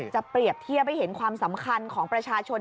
เปรียบเทียบให้เห็นความสำคัญของประชาชน